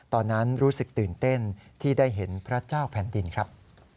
ตอนนั้นรู้สึกตื่นเต้นที่ได้เห็นพระเจ้าแผ่นดินครับ